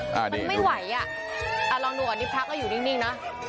มันไม่ไหวอ่ะลองดูก่อนนี่พระก็อยู่นิ่งนะ